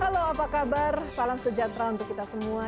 halo apa kabar salam sejahtera untuk kita semua